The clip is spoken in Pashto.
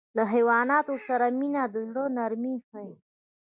له حیواناتو سره مینه د زړه نرمي ښيي.